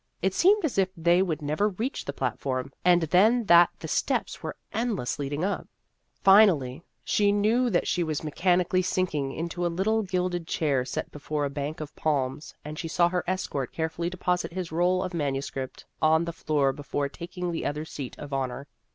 It seemed as if they would never reach the platform, and then that the steps were endless leading up. Fi nally, she knew that she was mechanically The History of an Ambition 57 sinking into a little gilded chair set before a bank of palms, and she saw her escort carefully deposit his roll of manuscript on the floor before taking the other seat of honor.